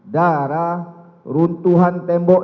darah runtuhan tembok